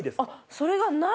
それがない。